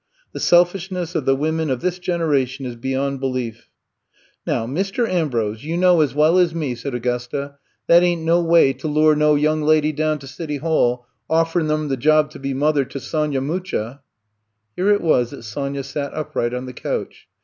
The selfishness of the women of this generation is beyond be lief." Now, Mr. Ambrose, you know as well I'VE COME TO STAY 67 as me,'* said Augusta, that ain^t no way to lure no young lady down to City Hall, offerin' 'em the job to be mother to Sonya Mucha/' Here it was that Sonya sat upright on the couch.